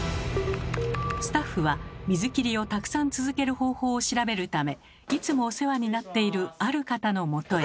スタッフは水切りをたくさん続ける方法を調べるためいつもお世話になっているある方のもとへ。